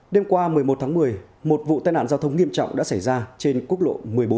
đêm qua một mươi một tháng một mươi một vụ tai nạn giao thông nghiêm trọng đã xảy ra trên quốc lộ một mươi bốn